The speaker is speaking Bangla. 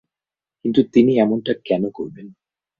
কিন্তু তিনি এমনটা কেন করবেন?